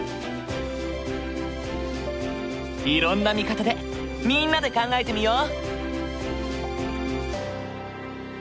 いろんな見方でみんなで考えてみよう！